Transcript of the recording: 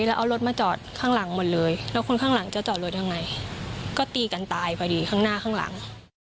แล้วเอารถมาจอดข้างหลังหมดเลยแล้วคนข้างหลังจะจอดรถยังไงก็ตีกันตายพอดีข้างหน้าข้างหลัง